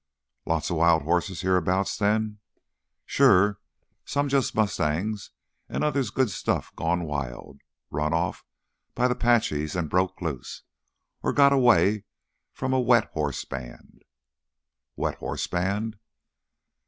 "Lots of wild horses hereabouts then?" "Sure. Some're jus' mustangs; other's good stuff gone wild—run off by th' 'Paches an' broke loose, or got away from a 'wet hoss' band—" "'Wet horse' band?"